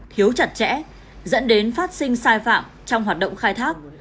thiếu chặt chẽ dẫn đến phát sinh sai phạm trong hoạt động khai thác